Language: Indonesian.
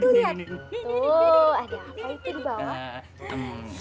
tuh ada apa itu di bawah